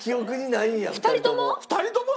２人とも？